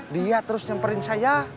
dia terus nyemperin saya